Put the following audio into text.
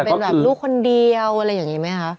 เป็นแบบลูกคนเดียวอะไรอย่างนี้ไหมคะ